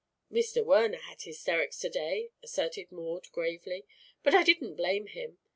"Mr. Werner had hysterics to day," asserted Maud, gravely; "but I didn't blame him.